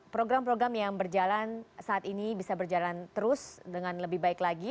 program program yang berjalan saat ini bisa berjalan terus dengan lebih baik lagi